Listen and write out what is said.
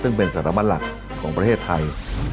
ซึ่งเป็นสถาบันหลักของประเทศไทย